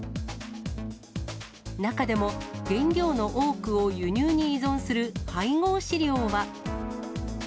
中でも、原料の多くを輸入に依存する配合飼料は。